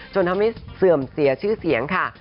จนทำให้เสื่อมเสียชื่อเสียงค่ะ